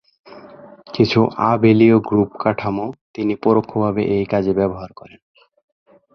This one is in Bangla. কিছু আবেলীয় গ্রুপ কাঠামো তিনি পরোক্ষ ভাবে এই কাজে ব্যবহার করেন।